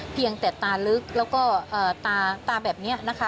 เพียงแต่ตาลึกแล้วก็ตาแบบนี้นะคะ